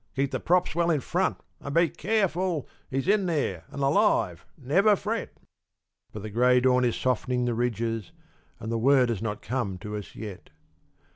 Keep the props well in front, and be careful. He's in there, and alive, never fret." But the grey dawn is softening the ridges, and the word has not come to us yet.